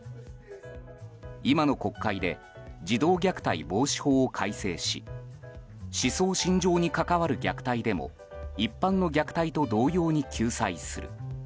今の国会で児童虐待防止法を改正し思想信条に関わる虐待でも一般の虐待と同様に救済する。